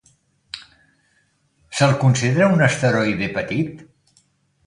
Se'l considera un asteroide petit?